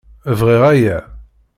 Bɣiɣ aya.